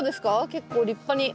結構立派に。